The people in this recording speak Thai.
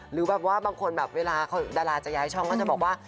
หรือแบบว่าบางคนแบบเวลาดาราจะย้ายช่องก็จะบอกว่า